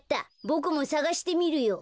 ボクもさがしてみるよ。